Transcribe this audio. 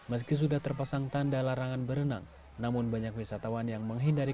meski sudah terpasang tanda larangan berenang namun banyak wisatawan yang menghindari